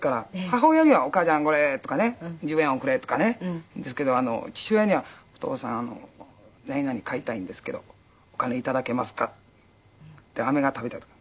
母親には「お母ちゃんこれ」とかね「１０円おくれ」とかねですけど父親には「お父さん何々買いたいんですけどお金頂けますか？」。でアメが食べたいと。